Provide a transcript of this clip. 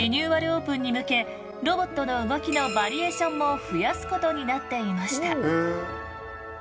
オープンに向けロボットの動きのバリエーションも増やすことになっていました。